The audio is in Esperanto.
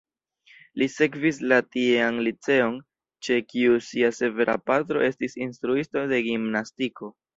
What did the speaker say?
Li sekvis la tiean liceon, ĉe kiu sia severa patro estis instruisto de gimnastiko.